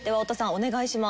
お願いします。